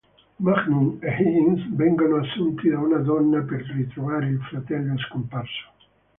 Magnum e Higgins vengono assunti da una donna per ritrovare il fratello scomparso.